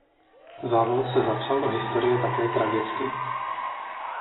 Závod se zapsal do historie také tragicky.